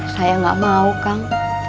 saya gak mau kang